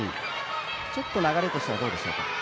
ちょっと流れとしてはどうでしょうか？